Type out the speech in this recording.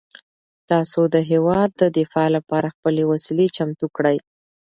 تاسو د هیواد د دفاع لپاره خپلې وسلې چمتو کړئ.